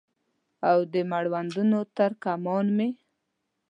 او د مړوندونو تر کمان مې